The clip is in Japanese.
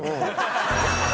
ハハハハ！